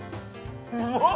うまっ！